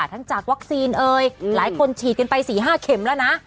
จากวัคซีนเอ่ยหลายคนฉีดกันไป๔๕เข็มแล้วนะ